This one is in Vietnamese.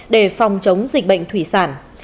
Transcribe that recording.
để phòng chống dịch bệnh thủy sản